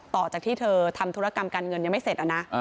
ต่อจากที่เธอทำธุรกรรมการเงินยังไม่เสร็จนะ